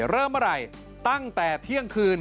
เริ่มเมื่อไหร่ตั้งแต่เที่ยงคืน